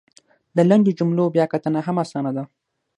د لنډو جملو بیا کتنه هم اسانه ده !